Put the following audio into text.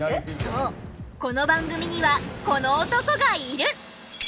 そうこの番組にはこの男がいる！